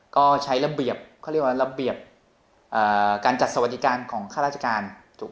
ก็ใช้ระเบียบเขาเรียกว่าระเบียบการจัดสวัสดิการของข้าราชการ